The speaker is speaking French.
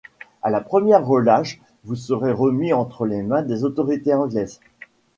À la première relâche vous serez remis entre les mains des autorités anglaises.